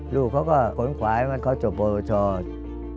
ลูกเขาก็ขนขวายว่าเขาจบโปรโยชน์